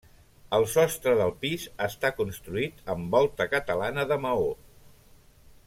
El sostre del pis està construït amb volta catalana de maó.